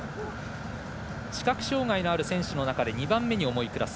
視覚障がいのある選手の中で２番目に重いクラス。